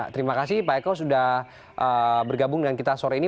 terima kasih pak eko sudah bergabung dengan kita sore ini